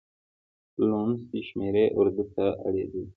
لوڼسې شمېرې اردو ته اړېدلي.